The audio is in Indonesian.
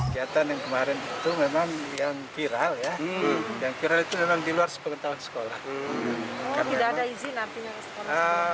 jatuhnya kemarin itu memang yang viral yang viral itu memang di luar sepenuh tahun sekolah